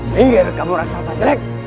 tinggal kamu raksasa jelek